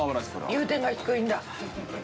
融点が低いんだ。